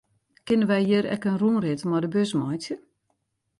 Kinne wy hjir ek in rûnrit mei de bus meitsje?